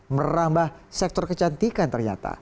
merambah sektor kecantikan ternyata